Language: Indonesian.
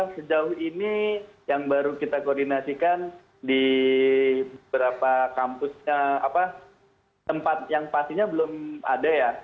sejauh ini yang baru kita koordinasikan di beberapa kampusnya tempat yang pastinya belum ada ya